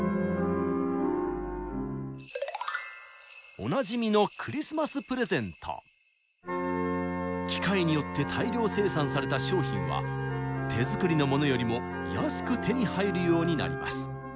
おなじみの機械によって大量生産された商品は手作りのモノよりも安く手に入るようになります。